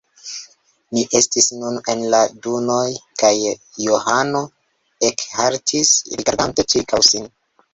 Ni estis nun en la dunoj kaj Johano ekhaltis, rigardante ĉirkaŭ sin.